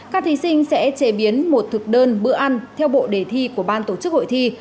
các thí sinh sẽ chế biến một thực đơn bữa ăn theo bộ đề thi của ban tổ chức hội thi